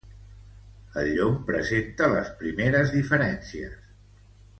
El llom presenta les primeres diferències.